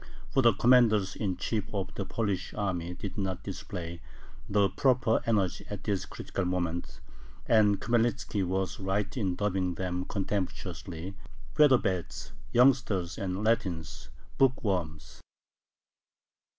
For the commanders in chief of the Polish army did not display the proper energy at this critical moment, and Khmelnitzki was right in dubbing them contemptuously "featherbeds," "youngsters," and "Latins" ("bookworms").